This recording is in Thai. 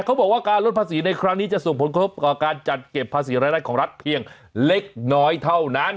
เขาบอกว่าการลดภาษีในครั้งนี้จะส่งผลกระทบต่อการจัดเก็บภาษีรายได้ของรัฐเพียงเล็กน้อยเท่านั้น